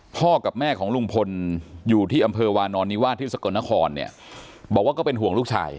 พ่อกับแม่ของลุงพลอยู่ที่อำเภอวานอนนิวาสที่สกลนครเนี่ยบอกว่าก็เป็นห่วงลูกชาย